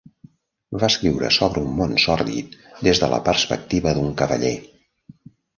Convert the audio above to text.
Va escriure sobre un món sòrdid des de la perspectiva d'un cavaller.